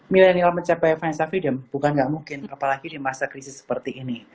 milenial mencapai fansa freedom bukan nggak mungkin apalagi di masa krisis seperti ini